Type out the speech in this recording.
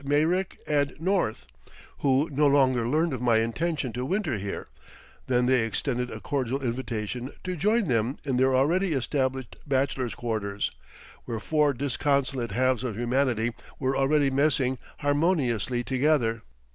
Meyrick and North, who no sooner learned of my intention to winter here, than they extended a cordial invitation to join them in their already established bachelors' quarters, where four disconsolate halves of humanity were already messing harmoniously together.